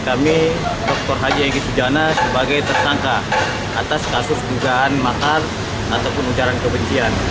kami dr haji egy sujana sebagai tersangka atas kasus dugaan makar ataupun ujaran kebencian